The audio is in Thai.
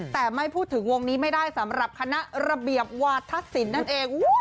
แต่ไม่พูดถึงวงนี้ไม่ได้สำหรับคณะระเบียบวาธศิลป์นั่นเอง